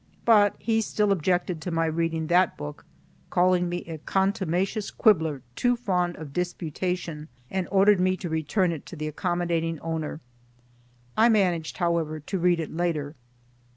But he still objected to my reading that book, called me a contumacious quibbler too fond of disputation, and ordered me to return it to the accommodating owner. I managed, however, to read it later.